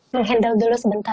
menghandle dulu sebentar